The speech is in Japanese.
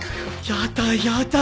やだやだ。